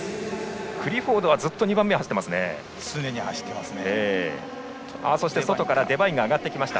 クリフォードはずっと２番目を走っていますね。